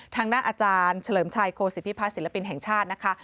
ทางด้านอาจารย์เฉลิมชัยโคศิพิพัฒนศิลปินแห่งชาตินะคะ